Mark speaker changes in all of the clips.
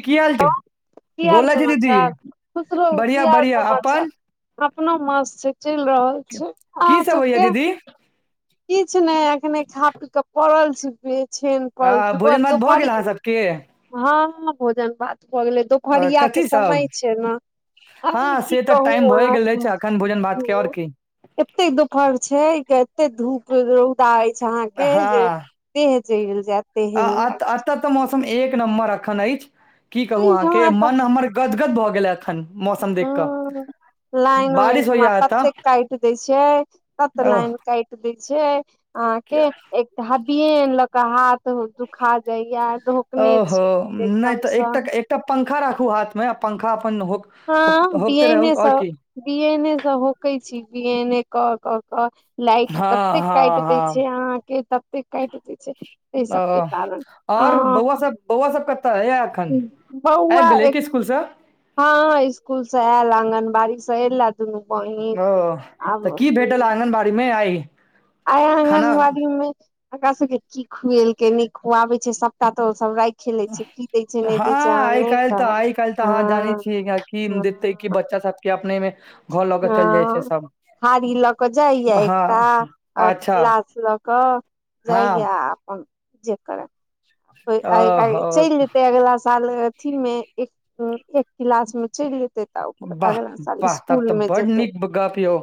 Speaker 1: की हाल छै
Speaker 2: हँ की हाल
Speaker 1: गोला छै दीदी
Speaker 2: समाचार, खुश रहू, की
Speaker 1: बढ़िया
Speaker 2: हाल
Speaker 1: बढ़िया अपन
Speaker 2: समाचार। अपनो मस्त छैय, चइल रहल छैय,
Speaker 1: की
Speaker 2: अहाँ
Speaker 1: सब होइया
Speaker 2: सबके।
Speaker 1: दीदी
Speaker 2: किछु नहि अखने खा पी क पड़ल छी बे छेन पर सुबह दुफहरियै।
Speaker 1: के
Speaker 2: हँ भोजन भात भऽ गेलै
Speaker 1: आ,
Speaker 2: दुपहरिया के
Speaker 1: कथी सब
Speaker 2: समय छैय न। अहि
Speaker 1: हँ
Speaker 2: की
Speaker 1: से तऽ
Speaker 2: कहू
Speaker 1: टाइम भए
Speaker 2: अहाॅ
Speaker 1: गेल
Speaker 2: के
Speaker 1: अछि अखन भोजन भात के आओर
Speaker 2: [unintelligible]
Speaker 1: की
Speaker 2: एते दुपहर छैय के एते धूप रौदा अएछ अहाँ के जे देह जैल जायत। तेहन
Speaker 1: अऽ,
Speaker 2: लागै
Speaker 1: एतऽ तऽ मौसम एक नम्बर एखन अछि, की
Speaker 2: छै
Speaker 1: कहू, अहाँके
Speaker 2: एहिठमा तऽ
Speaker 1: मन हमर गदगद भऽ गेले एखन मौसम देख। कऽ
Speaker 2: हूँ लाइन
Speaker 1: बारिश
Speaker 2: ओइठमा
Speaker 1: होइया एतऽ
Speaker 2: तते काटि दै छिय, तत
Speaker 1: ओह
Speaker 2: लाइन काइट दै छैय अहाँके
Speaker 1: क्या-
Speaker 2: एक हबियन लऽ के हाथ दुखा जाइया। धोकने
Speaker 1: ओहो,
Speaker 2: छी
Speaker 1: नहि तऽ
Speaker 2: एकदमसँ
Speaker 1: एकटा-एकटा पंखा राखू, हाथमे पंखा अपन होक होक-
Speaker 2: हँ, बी
Speaker 1: होकते रहू आओर
Speaker 2: एनेसँ
Speaker 1: की
Speaker 2: बी एनेसँ होकै छी, बी एने कऽ कऽ कऽ लाइट
Speaker 1: हँ
Speaker 2: तते
Speaker 1: हँ
Speaker 2: काटि दै
Speaker 1: हँ
Speaker 2: छैय, अहाँके तते काटि दै छैय, एहि सभके कारण
Speaker 1: और
Speaker 2: हँ
Speaker 1: बौआसँ बौआसँ कता ये अखन, आ
Speaker 2: बौआ
Speaker 1: गेलै
Speaker 2: एक
Speaker 1: की स्कुलसँ।
Speaker 2: हँ, इसकुल से आयल आगनबाड़ी से एयला दुनू बहीन
Speaker 1: ओ
Speaker 2: आब
Speaker 1: तऽ की भेटल आङगनबाड़ी मे आइ
Speaker 2: आय
Speaker 1: खाना
Speaker 2: आंगनबाड़ी में एकरा सबके की खुएलके नै खुआबे छैय सबटा तऽ उ सब राइख
Speaker 1: हँ, आइ काल्हि तऽ
Speaker 2: कहब
Speaker 1: आइ काल्हि तऽ
Speaker 2: हँ
Speaker 1: अहाँ जानै छियै की इकरा कीन
Speaker 2: हँ
Speaker 1: देतै। की बच्चा सब के अपने में घर लऽ के चल जाय छैय सब।
Speaker 2: थाड़ी लऽ क जाइया एकटा
Speaker 1: हँ
Speaker 2: आ
Speaker 1: अच्छा
Speaker 2: गिलास लऽ कऽ। जाइय
Speaker 1: हँ
Speaker 2: अपन जे करै।
Speaker 1: ओ
Speaker 2: आई-आई चलि जेतै अगला साल अथी मे एक एक क्लासमे चलि जेतै तब
Speaker 1: वाह
Speaker 2: अगला साल
Speaker 1: वाह तब तऽ
Speaker 2: इसकुलमे
Speaker 1: बड
Speaker 2: जेतै।
Speaker 1: नीक गप यौ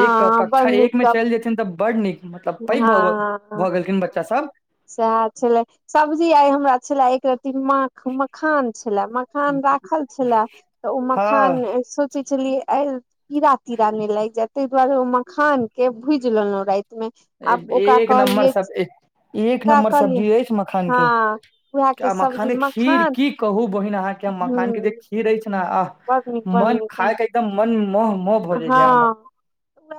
Speaker 1: एक
Speaker 2: बड़
Speaker 1: कक्षा
Speaker 2: नीक
Speaker 1: एकमे
Speaker 2: गप
Speaker 1: चलि जेथिन तऽ बड्ड नीक, मतलब
Speaker 2: हँ
Speaker 1: पैघ
Speaker 2: हँ
Speaker 1: भऽ
Speaker 2: हँ हँ
Speaker 1: भऽ गेलखिन
Speaker 2: हँ
Speaker 1: बच्चासभ।
Speaker 2: सएह छलै सब्जी, आइ हमरा छल एक रति माख मखान छलै। मखान राखल छलए तऽ ओ
Speaker 1: हँ
Speaker 2: मखान शु सोचलियै आएल कीड़ा तीड़ा नहि लागि जाय ताहि दुआरे ओ मखान के भुज लेलहुं राइत।
Speaker 1: एक नम्बर सब, एक
Speaker 2: ओकरा
Speaker 1: नम्बर
Speaker 2: कहलियै
Speaker 1: सब्जी अएछ मखान। खान
Speaker 2: हँ उएह
Speaker 1: के आ मखान
Speaker 2: सब्जी
Speaker 1: के खीर
Speaker 2: मखान
Speaker 1: की कहू बहिन अहाँके हम मखान के जे खीर ऐछ नऽ आह।
Speaker 2: बड नीक बड
Speaker 1: मन
Speaker 2: नीक आ
Speaker 1: खाय के एकदम मन मोह-मोह हो जाइ हमर।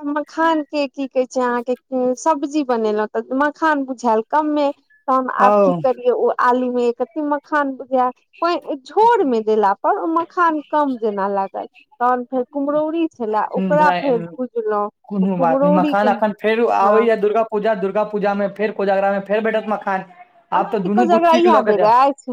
Speaker 2: मखानके की कहै छैय, अहाँके सब्जी बनेलहुँ तऽ मखान बुझायल कमे। त आब की
Speaker 1: हमर
Speaker 2: करिये ओ आलू मे के मखान प झोर में देला आओर ओ मखान कम जेना लागल तहन फेर कुम्हरौरी छलए ओकरा फेर
Speaker 1: ओ
Speaker 2: बुजलहुँ
Speaker 1: कोनो बात नहि मखान
Speaker 2: कुम्हरौरीके
Speaker 1: अखन फेर
Speaker 2: हँ।
Speaker 1: आबैया दुर्गा पूजा, दुर्गा पूजामे फेर कोजागरा मे फेर बैठत मखान। आब तऽ
Speaker 2: अहाँके
Speaker 1: दुनू
Speaker 2: कोजगरा
Speaker 1: गुच्ची के
Speaker 2: इएह
Speaker 1: लऽ के
Speaker 2: बेर
Speaker 1: जाएब।
Speaker 2: अछि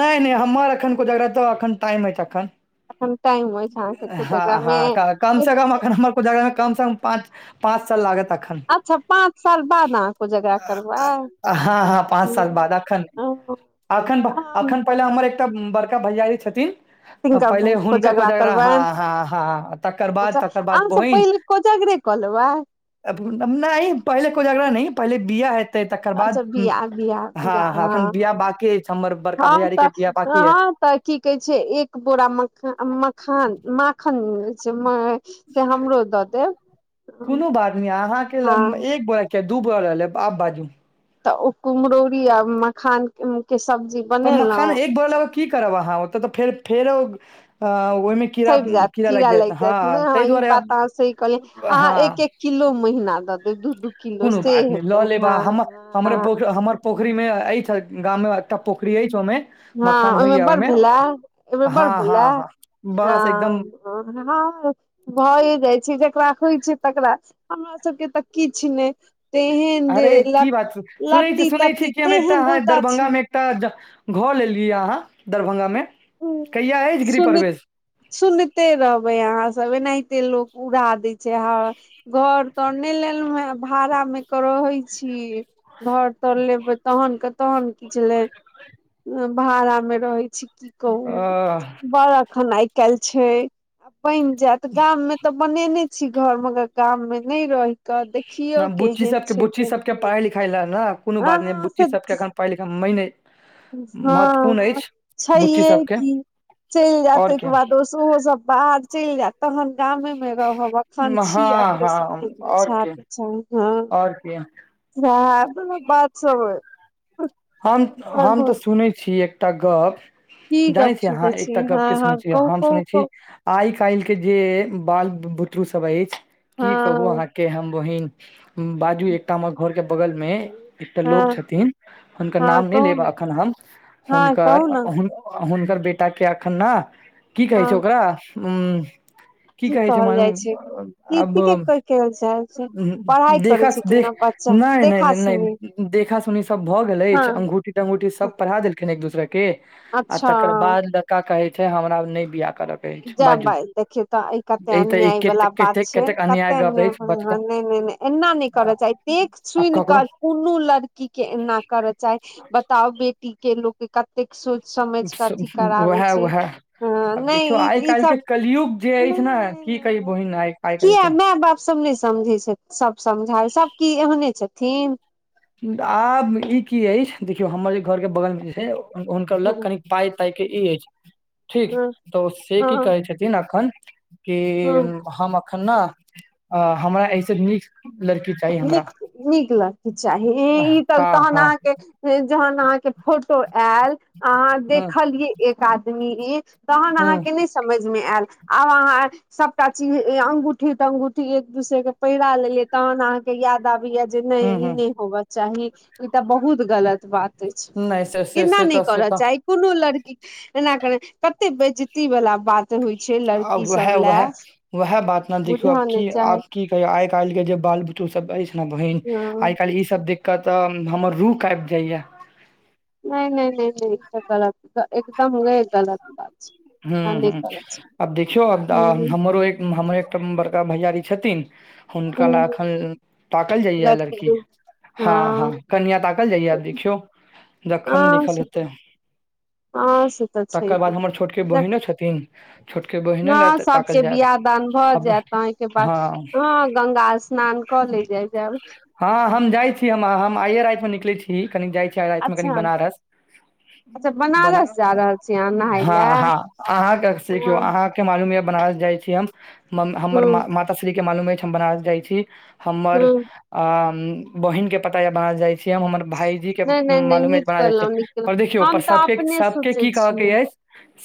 Speaker 1: नै नै हमर एखन कोजगड़ा तऽ एखन टाइम हऽ एखन।
Speaker 2: एखन टाइम अछि अहाँके कोजगरा
Speaker 1: हँ
Speaker 2: मे
Speaker 1: हँ कम
Speaker 2: एक
Speaker 1: से कम एखन हमर। कम सँ कम पाँच-पाँच साल लागैतक।
Speaker 2: अच्छा पाँच साल बाद अहाँ कोजगरा करबै
Speaker 1: हँ हँ पाँच साल बाद अखन।
Speaker 2: ह
Speaker 1: अखन-अखन पहिले हमर एकटा बड़का भैयारी छथिन।
Speaker 2: तिनकर
Speaker 1: पहिले हुनकर
Speaker 2: कोजगरा
Speaker 1: हँ
Speaker 2: करबनि,
Speaker 1: हँ हँ तकर बाद
Speaker 2: अच्छा,
Speaker 1: तकर बाद
Speaker 2: आमस
Speaker 1: बहिन
Speaker 2: पहिले कोजगरे। कलबा।
Speaker 1: नहि, पहिले कोइ झगड़ा नहि पहिले बििया ह। ते तकर बाद,
Speaker 2: अच्छा बिआ बिआ बिआ
Speaker 1: हँ, अखन बिियाह
Speaker 2: हँ
Speaker 1: बाकी अछि हमर बड़का
Speaker 2: हँ तऽ
Speaker 1: भैयारीकेँ, के बिियाह बाकी है।
Speaker 2: हँ तऽ की कहे छै, एक बोरा मख मखान माखन छै। से हमरो दऽ देब
Speaker 1: कोनो बात नहि अहाँके ल
Speaker 2: हँ
Speaker 1: एक ब कि दू बो लेब आब बाजू।
Speaker 2: तऽ ओ कुम्हरौरी आ मखान के सब्जी।
Speaker 1: पर मखान
Speaker 2: बनेलहुँ
Speaker 1: एक भ ल की करब, अहाँ ओतऽ तऽ फेर फेरो ओहिमे।
Speaker 2: छँटि जायत, कीड़ा लागि जायत ने हँ, ई बात तऽ अहाँ सी कहलियै अहाँ
Speaker 1: हँ
Speaker 2: एक-एक किलो महिीना दत।
Speaker 1: कोनो बात नै ल लेब अहाँ हम हमरे पोख
Speaker 2: हँ
Speaker 1: हमर पोखरी मे अछि। गाम मे अत पोखरी अछि ओमे
Speaker 2: हँ
Speaker 1: मखान
Speaker 2: ओहिमे
Speaker 1: होइया
Speaker 2: बड़
Speaker 1: ओइमे।
Speaker 2: भेलै एहिमे
Speaker 1: हँ हँ हँ बस एकदम।
Speaker 2: हुं आ। भए जाइ छै जकरा होइ छै तकरा हमरा सबके त किछ नै। तेहेन
Speaker 1: अरे
Speaker 2: देह ल
Speaker 1: की बात सुनै
Speaker 2: लती तती तेहेन रौदा। छै
Speaker 1: त ज घर लेलियैया अहाँ दरभंगा मे कहिआ अछि गिरिह परवेश।
Speaker 2: सुनिते रहबै अहाँ सब एनाहिते लोक उड़ा दै छै हं घर। तने लेलौंहें भाड़ा मे क रहै छी। घर तर लेबै तहन क तहन। किछ नै उं भाड़ा मे रहै छी की कहू
Speaker 1: अ
Speaker 2: बर अखन आइ। कैल छै बनि जाएत गाम में त बनेने। छी घर मे गाम मे नै रहिक देखियौ केहन छै जे।
Speaker 1: सब पढ़ाइ लिखाइ ल ने कोनो
Speaker 2: हँ
Speaker 1: बात नै बुच्ची सबके एखन पढ़ाइ लिखाई मे मायने।
Speaker 2: हँअं
Speaker 1: बुच्ची
Speaker 2: छैहे
Speaker 1: सबके
Speaker 2: की चलि जाएत
Speaker 1: आओर के
Speaker 2: तेकर बाद स ओहो सब। बाहर चलि जाएत तहन गामे मे रहब अखन
Speaker 1: हँ
Speaker 2: छी अकरे सभ
Speaker 1: हँ
Speaker 2: ल।
Speaker 1: आओर
Speaker 2: छात
Speaker 1: के
Speaker 2: छन
Speaker 1: आओर के
Speaker 2: इहेवला बात सब ऐ।
Speaker 1: हमत हम त सुनै छी एकटा गप।
Speaker 2: की
Speaker 1: जानै
Speaker 2: गप
Speaker 1: छियै अहाँ
Speaker 2: सुनै छी
Speaker 1: एकटा गप
Speaker 2: हँ
Speaker 1: की
Speaker 2: हँ
Speaker 1: सुनै छी
Speaker 2: कहू
Speaker 1: हम
Speaker 2: कहू
Speaker 1: सुनै छी।
Speaker 2: कहू
Speaker 1: आइ कालि के जे बाल बु बुतरु सब अछि की कहु अहाँ।
Speaker 2: हँ
Speaker 1: के हम बहिन बाजू एकटा हमर घर के बगल मे एकटा लोग
Speaker 2: हँ
Speaker 1: छथिन। हुनकर
Speaker 2: हँ
Speaker 1: नाम नै
Speaker 2: कहू
Speaker 1: लेब
Speaker 2: ने
Speaker 1: एखन हम
Speaker 2: हँ
Speaker 1: हुनकर
Speaker 2: कहू ने
Speaker 1: हुन। आ हुनकर बेटा के एखन ने की कहै छै
Speaker 2: हँ
Speaker 1: ओकरा उं। की कहै छै मानू आब आब
Speaker 2: की के कोई कहल जाइ छै
Speaker 1: उहुं
Speaker 2: पढ़ाइ करै
Speaker 1: देखासु दे
Speaker 2: छथिन ने बच्चा
Speaker 1: नै नै
Speaker 2: देखा
Speaker 1: नै नै
Speaker 2: सुनी
Speaker 1: देखा सुनी सभ भ। भ गेल अछि,
Speaker 2: हँ
Speaker 1: अंगुठी तंगुठी सब पहिरा देलखिन एक दोसराके आ
Speaker 2: अच्छा
Speaker 1: तकर बाद ल लड़का कहै छै हमरा आब नै बिआह करके।
Speaker 2: जा भाइ देखियौ त ई कते
Speaker 1: तऽ ई
Speaker 2: अन्याय वला
Speaker 1: कतेक
Speaker 2: बात
Speaker 1: कतेक
Speaker 2: छै
Speaker 1: कतेक
Speaker 2: कते
Speaker 1: गप
Speaker 2: अन्याय
Speaker 1: अछि
Speaker 2: ब ह
Speaker 1: बचगाँव
Speaker 2: नै नै नै। एना नै करक चाही देखि
Speaker 1: आब
Speaker 2: सुनिक।
Speaker 1: ककरो
Speaker 2: कुनू लड़की के एना कर चाही बताओ बेटी के लोके। कतेक सोचि समझि कऽ अथी कराबै छै। हँ नहि ई ई
Speaker 1: काल्हिके
Speaker 2: सब
Speaker 1: कलयुग जे अछि
Speaker 2: नहि
Speaker 1: ने
Speaker 2: नहि
Speaker 1: की
Speaker 2: नहि
Speaker 1: कही
Speaker 2: नहि
Speaker 1: बहिन आइ आइ
Speaker 2: किया
Speaker 1: काल्हिके।
Speaker 2: माय बाप सब नै समझै छथि सब समझाइ सब की एहने छथिन?
Speaker 1: आब ई की अछि, देखिऔ हमर जे घर के बगलमे जे छै, हुन हुनकर लग
Speaker 2: हँ
Speaker 1: कनी पाइ-ताइके ई अछि, ठीक?
Speaker 2: हँ
Speaker 1: तऽ ओ से की
Speaker 2: हँ
Speaker 1: कहै छथिन अखन कि
Speaker 2: हँ
Speaker 1: हम अखन ने अ हमरा एहिसँ नीक लड़की चाही हमरा।
Speaker 2: नीक नीक लड़की चाही,
Speaker 1: हँ
Speaker 2: ई तऽ तहन
Speaker 1: हँ
Speaker 2: अहाँकेँ से जहन अहाँके फोटो आएल अहाँ देखलियै एक आदमी ई तहन
Speaker 1: ह
Speaker 2: अहाँकेँ नहि स्- समझ मे आएल, आब अहाँ सबटा चीज ए अंगूठी-तंगूठी एक दूसरे के पहिरा लेलियै तहन अहाँ के याद आबैए जे नहि
Speaker 1: ह
Speaker 2: ई
Speaker 1: ह
Speaker 2: नहि होबक चाही, ई त बहुत गलत बात अछि।
Speaker 1: नहि से से
Speaker 2: एना
Speaker 1: से
Speaker 2: नहि
Speaker 1: तऽ से
Speaker 2: करक
Speaker 1: तऽ
Speaker 2: चाही। कोनो लड़की के एना केनाइ कतेक बेज्जती वला बात होइ छै
Speaker 1: आब
Speaker 2: लड़की
Speaker 1: उएह
Speaker 2: सब
Speaker 1: उएह
Speaker 2: लए
Speaker 1: उएह बात ने, देखियौ आब
Speaker 2: बुझऽ नहि
Speaker 1: की
Speaker 2: चाही
Speaker 1: आब की कहिऔ। आइ-काल्हिके जे बाल बुतरुसभ अछि ने बहिन, आइ
Speaker 2: हँ
Speaker 1: काल्हि ई सब देख कऽ तऽ हमर रूह कांपि जाइए।
Speaker 2: नहि नहि नहि नहि ई तऽ गलत ई तऽ एकदम्मे गलत बात छै।
Speaker 1: ह्म
Speaker 2: एना नहि
Speaker 1: ह्म,
Speaker 2: करऽ
Speaker 1: आब देखिऔ आब तऽ
Speaker 2: चाही
Speaker 1: हमरो एक उम्म हमर एक तऽ उम्म बड़का भैआरी छथिन, हुनका लए
Speaker 2: हूँ
Speaker 1: एखन ताकल जाइए लड़की। हँ हँ, कनिआँ ताकल जाइए आब देखिऔ जखन
Speaker 2: हँ
Speaker 1: लिखल
Speaker 2: से तऽ
Speaker 1: हेतै।
Speaker 2: हँ से तऽ
Speaker 1: तकर बाद
Speaker 2: छैहे
Speaker 1: हमर छोटके बहिने छथिन। छोटकी बहिनो लए
Speaker 2: हँ
Speaker 1: ताकल
Speaker 2: सभके
Speaker 1: जायत
Speaker 2: बिआह दान भऽ
Speaker 1: आब
Speaker 2: जाय ताहिके बाद
Speaker 1: हँ
Speaker 2: हँ, गंगा स्नान कऽ लै जाइ जाएब।
Speaker 1: हँ, हम जाइत छी हम हम आइए रातिमे निकलैत छी। कि कनि जाइ छियै आइ रातिमे कनि
Speaker 2: अच्छा
Speaker 1: बनारस,
Speaker 2: अच्छा
Speaker 1: ब-
Speaker 2: बनारस जा रहल छी अहाँ नहाय
Speaker 1: हँ
Speaker 2: लए
Speaker 1: हँ, अहाँके सीखियौ,
Speaker 2: हँ
Speaker 1: अहाँ के मालूम यए बनारस जाइ छी हम। म हमर
Speaker 2: हूँ
Speaker 1: माता श्रीके मालूम अछि हम बनारस जाइ छियै। हमर
Speaker 2: हूँ
Speaker 1: आ उम्म बहिनके पता यए बनारस जाइ फेर हमर भाायजीके
Speaker 2: नहि नहि नहि
Speaker 1: मालूम कि कि
Speaker 2: नीक
Speaker 1: बनारस जाइ छियै,
Speaker 2: केलहुँ नीक केलहुँ
Speaker 1: पर देखियौ,
Speaker 2: हम
Speaker 1: पर
Speaker 2: तऽ
Speaker 1: सभके
Speaker 2: अपने
Speaker 1: सभ के
Speaker 2: सोचै
Speaker 1: की कहयके
Speaker 2: छियै
Speaker 1: अछि?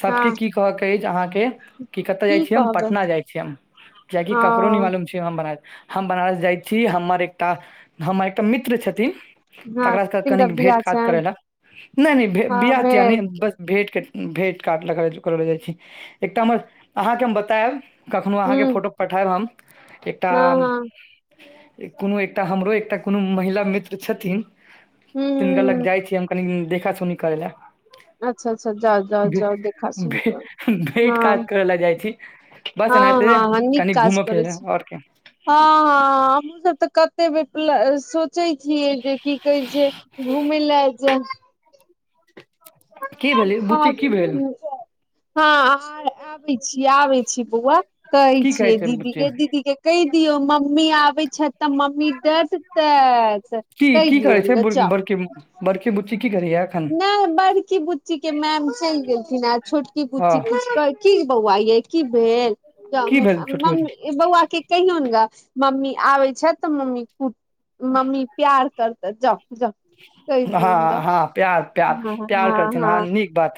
Speaker 1: सभकेँ
Speaker 2: हँ
Speaker 1: की कहयके अछि अहाँकेँ, कि कतय जाइ
Speaker 2: की
Speaker 1: छियै हम?
Speaker 2: कहबै
Speaker 1: पटना जाइ छियै हम। किएकि
Speaker 2: ओ
Speaker 1: ककरहु नहि मालूम छै हम बनारस, हम बनारस जाइ छी हमर एकटा हमर एकटा मित्र छथिन
Speaker 2: हँ
Speaker 1: तकरासँ कनि
Speaker 2: तिनकर
Speaker 1: कनिक भेट
Speaker 2: बियाह
Speaker 1: घाँट करय
Speaker 2: छनि
Speaker 1: लए। नहि नहि, भे
Speaker 2: आ
Speaker 1: बियाह तियाह
Speaker 2: भेल
Speaker 1: नहि, बस भेंट केक भेंट घाँट लगल करय लए जाइत छी। एकटा हमर, अहाँके हम बतायब कखनो अहाँकेँ
Speaker 2: हूँ
Speaker 1: फोटो पठायब हम, एकटा
Speaker 2: हँ हँ
Speaker 1: ए कोनो एकटा हमरो एकटा कोनो महिला मित्र छथिन
Speaker 2: हूँ
Speaker 1: तिनका लग
Speaker 2: हूँ
Speaker 1: जाइ छियै हम कनि देखा-सुनी करय लए।
Speaker 2: अच्छा अच्छा, जाउ जाउ
Speaker 1: भे,
Speaker 2: जाउ, देखा-सुनी
Speaker 1: भे,
Speaker 2: करू।
Speaker 1: भेट
Speaker 2: हँ।
Speaker 1: घाट करै लए जाइ छी बस
Speaker 2: हँ
Speaker 1: एनाहिते
Speaker 2: हँ हँ, नीक
Speaker 1: कनि
Speaker 2: काज
Speaker 1: घूमय फिरै
Speaker 2: करैत
Speaker 1: लए
Speaker 2: छी।
Speaker 1: आओर की
Speaker 2: हँ हँ, हमहूँ सभ तऽ कतेक बेर प्ला सोचोत छियै जे की कहैत छै घूमय लए जाउ।
Speaker 1: की भेलै
Speaker 2: हँ
Speaker 1: बुच्ची की भेल
Speaker 2: उम्म [unintelligible] हाँ आ र आबै छी आबै छी बौआ, कहै
Speaker 1: की
Speaker 2: छियै
Speaker 1: छै बुच्ची
Speaker 2: दीदीकेँ दीदीकेँ कहि दियौ मम्मी आबै छथि त मम्मी डटतैथ,
Speaker 1: की
Speaker 2: कहि
Speaker 1: की करै
Speaker 2: दिऔन ग जाउ।
Speaker 1: [unintelligible] बड़की बुची कि करैये?
Speaker 2: नहि बड़की बुच्ची के मैम चलि गेलथिन आ छोटकी
Speaker 1: हँ
Speaker 2: बुच्ची किछु की बौआ यै की भेल, त
Speaker 1: की भेल छोटकी बुच्ची
Speaker 2: मम्मी बौआ के कहियौन गे मम्मी आबे छथि त मम्मी कुटती, मम्मी प्यार करतैथ, जाउ जाउ कहि दियोन गे।
Speaker 1: हाँ प्यार प्यार
Speaker 2: हाँ
Speaker 1: प्यार
Speaker 2: हाँ
Speaker 1: करथिन हँ
Speaker 2: हाँ।
Speaker 1: नीक बात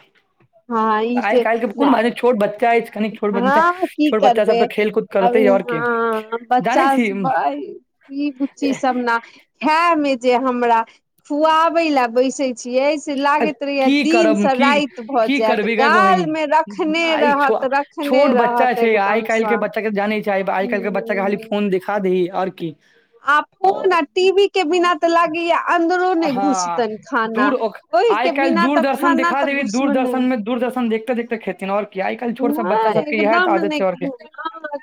Speaker 2: हाँ ई
Speaker 1: आइ
Speaker 2: से
Speaker 1: काल्हि के
Speaker 2: नै,
Speaker 1: कोन बात छै, छोट बच्चा अछि कनिक छोट बच्चा
Speaker 2: हाँ की
Speaker 1: छोट बच्चा सब
Speaker 2: करबै।
Speaker 1: तऽ खेलकूद
Speaker 2: अभी
Speaker 1: करतै आओर की
Speaker 2: हाँ
Speaker 1: जानै
Speaker 2: बच्चा,
Speaker 1: छी उम्म,
Speaker 2: ई बुच्ची सब ना। खाय मे जे हमरा, खुआबै ले जे बैसे छियै
Speaker 1: अ,
Speaker 2: लागैत रहैये
Speaker 1: की
Speaker 2: दिन
Speaker 1: करब
Speaker 2: से
Speaker 1: की
Speaker 2: राति भ
Speaker 1: की
Speaker 2: जायत,
Speaker 1: करबी गै
Speaker 2: गाल
Speaker 1: बहिन
Speaker 2: मे रखने
Speaker 1: आइ छो
Speaker 2: रहत रखने
Speaker 1: छोट बच्चा
Speaker 2: रहत
Speaker 1: छै आइ
Speaker 2: एकदम
Speaker 1: काल्हि
Speaker 2: से
Speaker 1: के बच्चा
Speaker 2: हुँ।
Speaker 1: खेबही और की।
Speaker 2: आब फोन फोन आ टीवी के बिना त लगैये अन्दरो नहि
Speaker 1: हँ
Speaker 2: घुसतनि खाना
Speaker 1: दूर ओक
Speaker 2: ओहि
Speaker 1: आइ
Speaker 2: के
Speaker 1: काल्हि
Speaker 2: बिना तऽ
Speaker 1: दूरदर्शन
Speaker 2: खाना
Speaker 1: देखा
Speaker 2: तऽ
Speaker 1: देबही,
Speaker 2: घुसबे नहि
Speaker 1: दूरदर्शन मे दूरदर्शन देखते देखते खेथिन और कियाकि आइ काल्हि के छोट सब बच्चा
Speaker 2: नहि
Speaker 1: सबके यैह त आदत छैय और कि।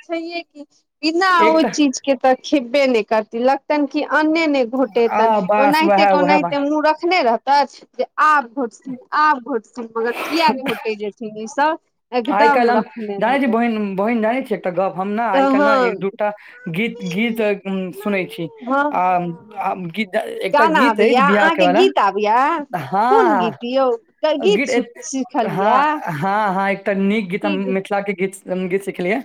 Speaker 2: छैेये कि, बिना ओ
Speaker 1: एक तऽ
Speaker 2: चीज के त खेबे नहि करती ल लगतैन कि अन्ने नहि घोटेतनि,
Speaker 1: आ बस
Speaker 2: ओनाहिते
Speaker 1: वएह
Speaker 2: के
Speaker 1: वएह बात
Speaker 2: ओनाहिते मुह मे रखने रहतैथ जे आब घोटथिन आब घोटथिन मगर किया घोटे जेथिन ई सब।
Speaker 1: आइ
Speaker 2: एकदम
Speaker 1: काल्हि हम
Speaker 2: रखने
Speaker 1: जानै छियै
Speaker 2: रहत
Speaker 1: बहिन, बहिन जानै छियै एकटा गप हम ने आइ
Speaker 2: हँ
Speaker 1: काल्हि ने एक
Speaker 2: हँ
Speaker 1: दू त एकटा गी गीत सुनै छियै
Speaker 2: हँ
Speaker 1: आ
Speaker 2: हँ
Speaker 1: आ गीत ए
Speaker 2: गाना आबै या अहाँ के गीत आबै या कोन
Speaker 1: हँ
Speaker 2: गीत यौ गीत सुन सिखल या।
Speaker 1: ह ह एकटा नीक गीत हम मिथिला के गीत- गीत सिखलियैये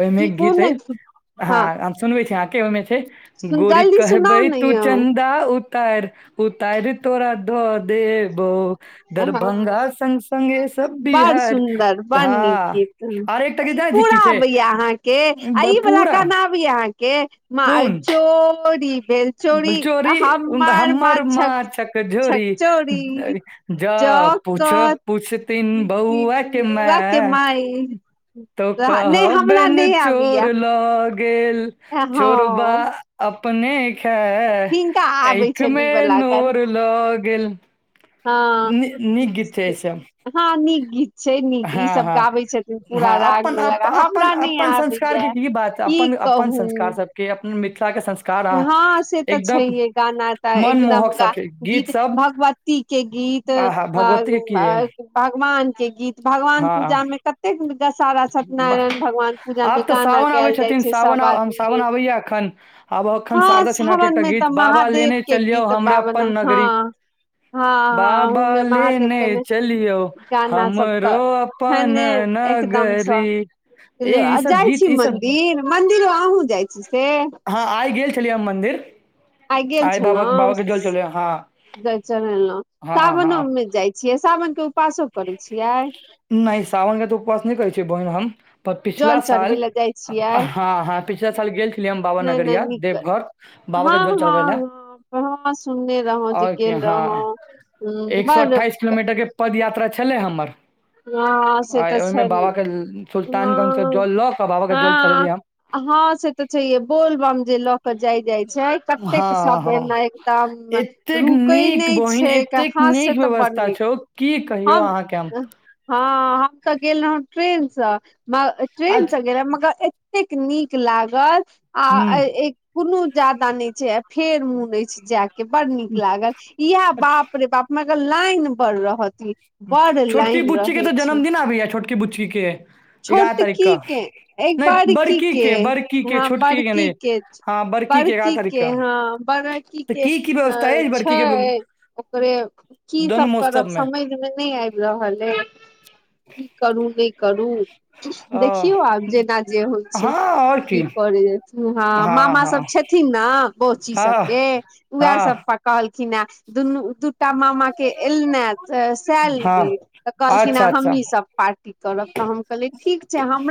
Speaker 1: ओय मे
Speaker 2: की
Speaker 1: गीत
Speaker 2: कोन
Speaker 1: ऐछ
Speaker 2: हँ
Speaker 1: हम सुनवेै छी अहाँ के ओय मे छै
Speaker 2: सुन
Speaker 1: गोरी
Speaker 2: जल्दी
Speaker 1: कहेबै
Speaker 2: सुनाउ ने
Speaker 1: तू
Speaker 2: यौ
Speaker 1: चंन्दा उता तैर उतैर तोरा द देबो
Speaker 2: हँ
Speaker 1: दरभंगा संग - संगे सब
Speaker 2: बड़
Speaker 1: बिहार
Speaker 2: सुन्दर बड़
Speaker 1: हँ
Speaker 2: नीक गीत,
Speaker 1: आर एकटा गीत जानै छी
Speaker 2: पूरा
Speaker 1: की छै
Speaker 2: अबैये अहाँ के, आ इ
Speaker 1: ब-
Speaker 2: वला
Speaker 1: पूरा
Speaker 2: गाना या अहां के अहा
Speaker 1: कोन
Speaker 2: चोरी भेल चोरी मार
Speaker 1: हमर
Speaker 2: माछक छक चोरी। जौ
Speaker 1: जाउ पूछ -पूछथिन
Speaker 2: कथी
Speaker 1: बौआ के
Speaker 2: बौआ के
Speaker 1: माय
Speaker 2: माइ
Speaker 1: त
Speaker 2: नहि हमरा
Speaker 1: कहबैन
Speaker 2: नहि
Speaker 1: चोर
Speaker 2: आबैया
Speaker 1: ल गेल ल गेल, चोरबा
Speaker 2: हँ
Speaker 1: अपने खाएत
Speaker 2: हिनका
Speaker 1: त
Speaker 2: आबै
Speaker 1: आंखि
Speaker 2: छनि ई
Speaker 1: मे
Speaker 2: वला गाना
Speaker 1: नौर ल गेल नी- नीक गीत छैय इ सब।
Speaker 2: हाँ नीक गीत। छैय नीक ई
Speaker 1: हँ
Speaker 2: सब
Speaker 1: हँ
Speaker 2: गाबै छथिन पूरा
Speaker 1: हँ
Speaker 2: राग
Speaker 1: अपन
Speaker 2: मे
Speaker 1: अप
Speaker 2: लगा,
Speaker 1: अपन
Speaker 2: हमरा नै
Speaker 1: अपन संस्कार
Speaker 2: आबैये।
Speaker 1: बात
Speaker 2: की
Speaker 1: अपन अपन
Speaker 2: कहू।
Speaker 1: संस्कार सबके के अपन मिथिला के संस
Speaker 2: ह से त छैहे गाना त एकदम
Speaker 1: मनमोहक
Speaker 2: गा
Speaker 1: सब छै
Speaker 2: गीत
Speaker 1: सब
Speaker 2: भगवत ती के गीत
Speaker 1: आहा
Speaker 2: और
Speaker 1: भगवती के की
Speaker 2: भगवान के गीत, भगवान
Speaker 1: हँ
Speaker 2: पूजामे कतेक नीक सारा
Speaker 1: वाह
Speaker 2: त्यनारायण भगवान पूजा में
Speaker 1: आब तऽ
Speaker 2: गाना
Speaker 1: सावन आबै
Speaker 2: गायल जाय
Speaker 1: छथिन
Speaker 2: छै
Speaker 1: सावन
Speaker 2: सब
Speaker 1: आ हम
Speaker 2: आदमी
Speaker 1: सावन
Speaker 2: मिल
Speaker 1: आबैया एखन आब
Speaker 2: ह
Speaker 1: एखन शारदा सिन्हा के
Speaker 2: सावन
Speaker 1: एकटा
Speaker 2: मे त
Speaker 1: गीत बाबा
Speaker 2: महादेव
Speaker 1: लेने
Speaker 2: के
Speaker 1: चलियौ
Speaker 2: गीत
Speaker 1: हमरे
Speaker 2: गावल
Speaker 1: अपन नगरी
Speaker 2: हां हां अहु
Speaker 1: बाबा
Speaker 2: मे महादेव
Speaker 1: लेने
Speaker 2: के नै
Speaker 1: चलियौ
Speaker 2: अपना सब त
Speaker 1: हमरो
Speaker 2: छै
Speaker 1: अपन
Speaker 2: ने एकदम से,
Speaker 1: नगरी ए ई
Speaker 2: आ
Speaker 1: सब
Speaker 2: जाय
Speaker 1: गीत
Speaker 2: छी
Speaker 1: ई सब
Speaker 2: मंदिर मंन्दिरो अहुं जाय छी से
Speaker 1: हँ आय गेल छेलियै हम मंदिर,
Speaker 2: आइ गेल
Speaker 1: आय बाबा - बाबा
Speaker 2: छलहुँ
Speaker 1: के जल चढ़ेलियैन।
Speaker 2: जल चढ़ेलौ, सावनो मे जाय, सावन के उपासो करै छियै?
Speaker 1: नै सावन के त उपवास नै करेै छीयै बहिन हम, पर पिछला
Speaker 2: जल चढ़बै
Speaker 1: साल
Speaker 2: लए जाइ छियै
Speaker 1: ह ह पि पिछला साल गेल छेलियै हम बाबा
Speaker 2: नहि नहि
Speaker 1: नगरिया
Speaker 2: नीक
Speaker 1: देवघर, बाबा के जल चढ़बेै ले
Speaker 2: हम सुनने रहौं जे गेल
Speaker 1: हँ
Speaker 2: रहौं, हूँ
Speaker 1: एक
Speaker 2: बड़
Speaker 1: [unintelligible] किलोमीटर के पद यात्रा छलै हमर
Speaker 2: हँ से तऽ
Speaker 1: आय ओय मे
Speaker 2: छै
Speaker 1: बाबा के सुल्तानगंज से जल ल के बाबा के जल चढ़ेलियैन।
Speaker 2: हं से त छहिये बोलबम जे ल के जाय -जाय छै, कतेक
Speaker 1: हँ
Speaker 2: समय
Speaker 1: हँ
Speaker 2: मे एकदम
Speaker 1: एतेक
Speaker 2: रुकै नै
Speaker 1: नीक बहिन
Speaker 2: छै।
Speaker 1: एतेक
Speaker 2: हं से
Speaker 1: नीक
Speaker 2: त बड़
Speaker 1: व्यवस्था
Speaker 2: नीक
Speaker 1: छौ की कहियौ
Speaker 2: हम
Speaker 1: अहाँके
Speaker 2: ह हम त गेल रहौं ट्रेन स, ट्रेन
Speaker 1: आज
Speaker 2: स गेल मगर ए एतेक नीक लागल आ
Speaker 1: हम्म
Speaker 2: एक कोनो ज्यादा नै छै आ फेर मोन ऐछ जाए के बड़ नीक लागल इएह
Speaker 1: अच्छा हूँ
Speaker 2: बाप रे बाप मगर लाइन बड़ रहत इ बड़ लाइन
Speaker 1: ठीक अछि
Speaker 2: रहै
Speaker 1: ते
Speaker 2: छै
Speaker 1: जन्मदिन आबै या छोटकी बुच्ची के तारीख
Speaker 2: छोटकी
Speaker 1: क
Speaker 2: के एक
Speaker 1: नहि
Speaker 2: बड़की के
Speaker 1: बड़की के
Speaker 2: हं
Speaker 1: छोटकी
Speaker 2: बड़की
Speaker 1: नहि
Speaker 2: के के
Speaker 1: हँ के एगारह
Speaker 2: बड़की
Speaker 1: तारीख
Speaker 2: के
Speaker 1: क
Speaker 2: हँ बड़की
Speaker 1: तऽ
Speaker 2: की के
Speaker 1: व्यवस्था अछि बड़की के
Speaker 2: छैय ओकरे, की
Speaker 1: दुनू
Speaker 2: सब
Speaker 1: महोत्सव
Speaker 2: करत समझ मे नै आबै रहल अछि की करू नै करू देखियौ आब जेना जे होय छै,
Speaker 1: हँ आओर
Speaker 2: कि
Speaker 1: की
Speaker 2: करी
Speaker 1: हँ
Speaker 2: हं मामा
Speaker 1: हँ
Speaker 2: सब छथिन ने बौची
Speaker 1: हँ
Speaker 2: सबके उएह सब
Speaker 1: हँ
Speaker 2: कहलखिने, दुनू-दु टा मामा के एलैने त
Speaker 1: हँ
Speaker 2: सैलरी त कहलखिन हैं
Speaker 1: अच्छा अच्छा
Speaker 2: हमही सबटा की करब त हम कहलियै ठीक छै हमरा